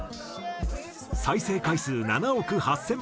再生回数７億８０００万回。